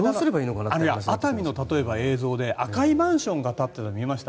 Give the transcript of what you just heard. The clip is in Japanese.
熱海の映像で赤いマンションが立っていたの見えました？